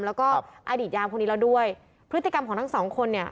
แล้วก็อดีตยามคนนี้แล้วด้วยพฤติกรรมของทั้งสองคนเนี่ย